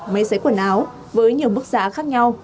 máy giấy quần áo với nhiều mức giá khác nhau